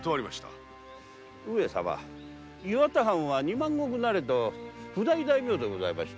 岩田藩は二万石なれど譜代大名でございます。